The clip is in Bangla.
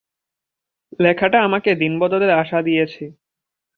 লেখাটা আমাকে দিনবদলের আশা দিয়েছে।